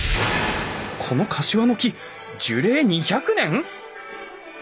このカシワの木樹齢２００年！？